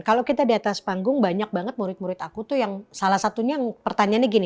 kalau kita di atas panggung banyak banget murid murid aku tuh yang salah satunya yang pertanyaannya gini